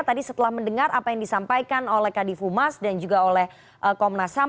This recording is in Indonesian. tadi setelah mendengar apa yang disampaikan oleh kadif humas dan juga oleh komnas ham